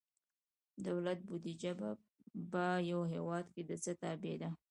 دولت بودیجه په یو هیواد کې د څه تابع ده؟